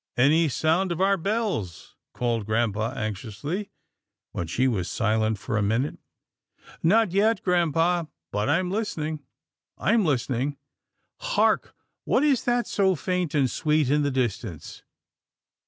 " Any sound of our bells," called grampa anxiously, when she was silent for a minute. " Not yet, grampa, but I'm listening — I'm listen ing. Hark! what is that so faint and sweet in the distance.